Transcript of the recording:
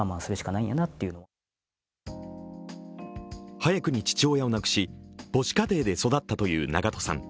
早くに父親を亡くし、母子家庭で育ったという長渡さん。